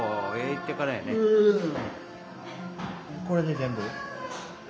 これで全部？